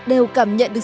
đều cảm nhận được